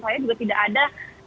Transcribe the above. saya juga tidak ada